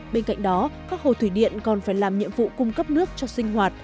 bên cạnh đó các hồ thủy điện còn phải làm nhiệm vụ cung cấp nước cho sinh hoạt